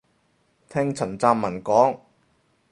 聽陳湛文講